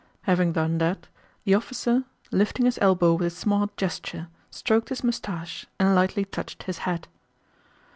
Having done that, the officer, lifting his elbow with a smart gesture, stroked his mustache and lightly touched his hat.